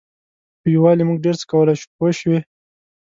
په یووالي موږ ډېر څه کولای شو پوه شوې!.